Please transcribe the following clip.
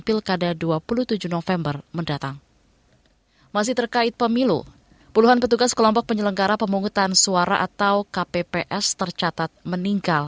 pertama kali kita berkahwin